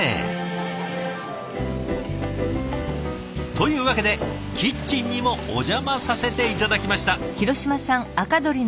というわけでキッチンにもお邪魔させて頂きました。